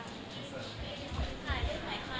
คิดเหมือนกันเลยว่า